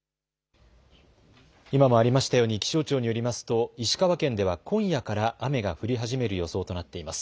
今もありましたように気象庁によりますと石川県では今夜から雨が降り始める予想となっています。